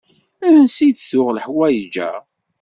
Ansi d-tuɣ leḥwayeǧ-a?